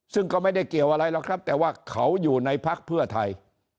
ซึ่งก็ไม่ได้เกี่ยวอะไรหรอกครับแต่ว่าเขาอยู่ในพักเพื่อไทย